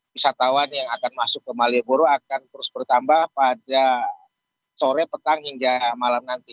wisatawan yang akan masuk ke malioboro akan terus bertambah pada sore petang hingga malam nanti